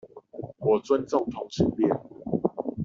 我尊重同性戀